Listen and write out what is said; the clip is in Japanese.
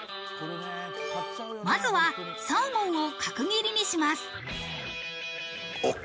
まずはサーモンを角切りにします。